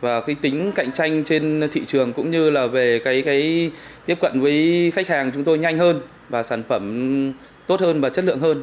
và cái tính cạnh tranh trên thị trường cũng như là về cái tiếp cận với khách hàng chúng tôi nhanh hơn và sản phẩm tốt hơn và chất lượng hơn